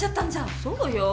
そうよ。